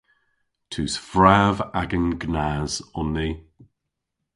Tus vrav agan gnas on ni.